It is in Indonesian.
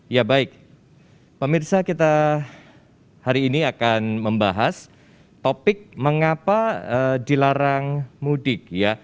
ya baik pemirsa kita hari ini akan membahas topik mengapa dilarang mudik